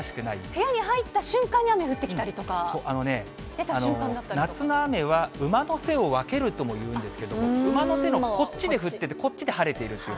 部屋に入った瞬間に雨降ってあのね、夏の雨は馬の背を分けるともいうんですけど、馬の背のこっちで降ってて、こっちで晴れてるという、